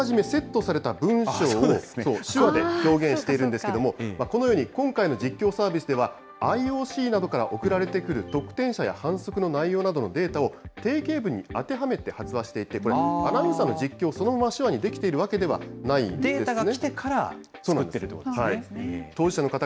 そう、手話で表現しているんですけれども、このように今回の実況サービスでは、ＩＯＣなどから送られてくる得点者や反則の内容などのデータを定型文に当てはめて発話していて、これ、アナウンサーの実況をそのまま手話にできているわけではないんですね。